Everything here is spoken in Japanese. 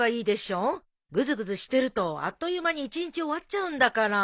ぐずぐずしてるとあっという間に一日終わっちゃうんだから。